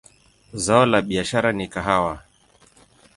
Zao la biashara ni kahawa.